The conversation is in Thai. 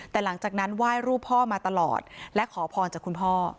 แต่หลังจากนั้นไหว้รูปพ่อมาตลอดและขอพรจากคุณพ่อ